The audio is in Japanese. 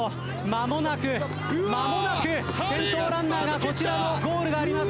間もなく間もなく先頭ランナーがこちらのゴールがあります